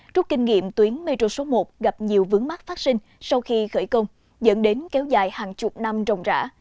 trúc kinh nghiệm tuyến metro số một gặp nhiều vướng mắt phát sinh sau khi khởi công dẫn đến kéo dài hàng chục năm rồng rã